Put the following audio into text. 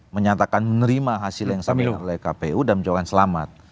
menyatakan menerima hasil yang sama yang terlalu kpu dan menjawabkan selamat